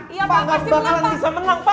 iya pak pasti menang pak